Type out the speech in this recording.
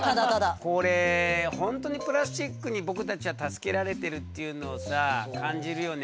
これ本当にプラスチックに僕たちは助けられてるっていうのをさ感じるよね。